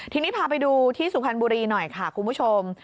ทีนี้พาไปดูที่สุพรรณบุรีหน่อยค่ะคุณผู้ชม